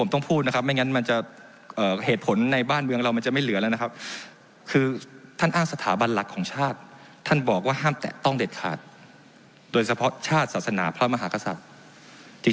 โดยเฉพาะชาติศาสนาพระมหากษัตริย์